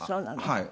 はい。